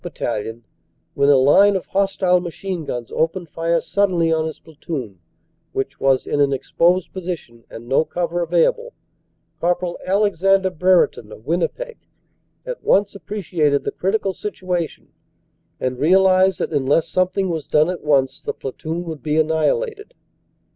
Battalion, when a line of hos tile machine guns opened fire suddenly on his platoon, which was in an exposed position and no cover available, Cpl. Alex ander Brereton, of Winnipeg, at once appreciated the critical situation and realized that unless something was done at once OPERATIONS: SEPT. 27 CONTINUED 239 the platoon would be annihilated.